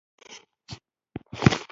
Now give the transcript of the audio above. چوکۍ د ژوند یوه اړینه برخه ده.